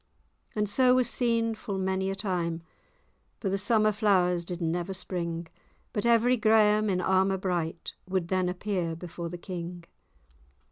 And so was seen full many a time; For the summer flowers did never spring, But every Graham, in armour bright, Would then appear before the king.